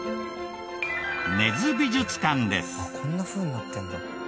「こんなふうになってるんだ」